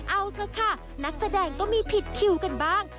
เอาเถอะค่ะนักแสดงก็มีผิดคิวกันบ้าง